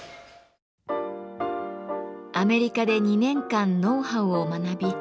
アメリカで２年間ノウハウを学び